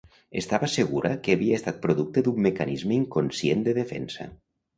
Estava segura que havia estat producte d'un mecanisme inconscient de defensa.